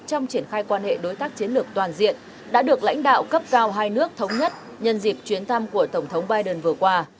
trong triển khai quan hệ đối tác chiến lược toàn diện đã được lãnh đạo cấp cao hai nước thống nhất nhân dịp chuyến thăm của tổng thống biden vừa qua